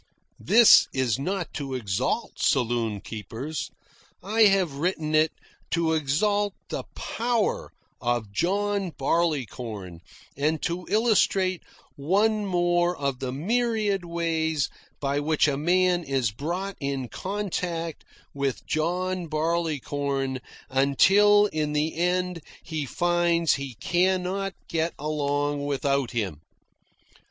This is not to exalt saloon keepers. I have written it to exalt the power of John Barleycorn and to illustrate one more of the myriad ways by which a man is brought in contact with John Barleycorn until in the end he finds he cannot get along without him.